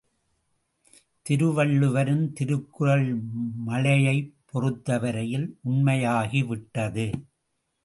திருவள்ளுவரின் திருக்குறள் மழையைப் பொறுத்தவரையில் உண்மையாகிவிட்டது.